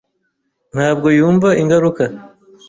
ntabwo yumva ingaruka.